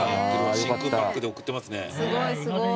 真空パックで送ってますね。